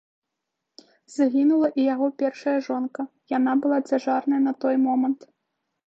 Загінула і яго першая жонка, яна была цяжарная на той момант.